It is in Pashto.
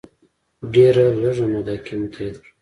ډیره لږه موده کې متحد کړل.